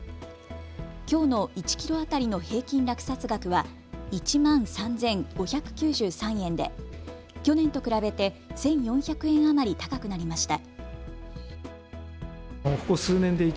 きょうの１キロ当たりの平均落札額は１万３５９３円で去年と比べて１４００円余り高くなりました。